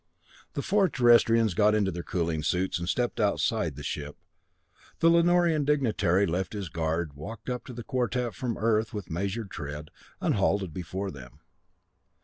The four Terrestrians got into their cooling suits, and stepped outside the ship. The Lanorian dignitary left his guard, walked up to the quartet from Earth with measured tread, and halted before them.